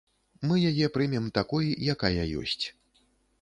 Мы яе прымем такой, якая ёсць.